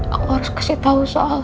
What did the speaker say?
aku harus kasih tahu soal